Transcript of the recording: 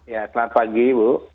ya selamat pagi ibu